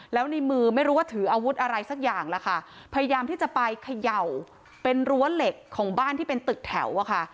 แล้วในมือไม่รู้ว่าถืออาวุธอะไรสักอย่างล่ะค่ะพยายามที่จะไปเขย่าเป็นรั้วเหล็กของบ้านที่เป็นตึกแถวอะค่ะ